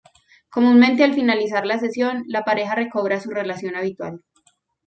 Comúnmente al finalizar la sesión, la pareja recobra su relación habitual.